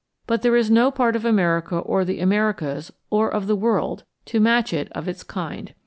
But there is no part of America or the Americas, or of the world, to match it of its kind.